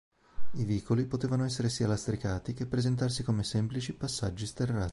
I vicoli potevano essere sia lastricati che presentarsi come semplici passaggi sterrati.